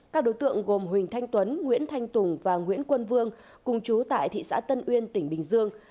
các đối tượng gồm huỳnh thanh tuấn nguyễn thanh tùng và nguyễn quân vương cùng chú tại thị xã tân uyên tỉnh bình dương